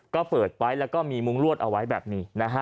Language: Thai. ก็เปิดไว้แล้วก็มีมุ้งลวดเอาไว้แบบนี้นะฮะ